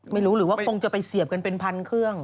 ไม่รู้หรือว่าคงจะไปเสียบกันเป็นพันเครื่อง